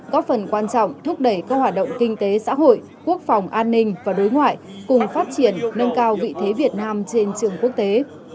góp phần quan trọng thúc đẩy các hoạt động kinh tế xã hội quốc phòng an ninh và đối ngoại cùng phát triển nâng cao vị thế việt nam trên trường quốc tế